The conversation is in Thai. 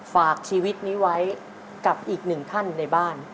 ฝากชีวิตนี้ไว้กับอีกหนึ่งท่านในบ้าน